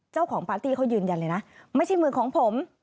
ปาร์ตี้เขายืนยันเลยนะไม่ใช่มือของผม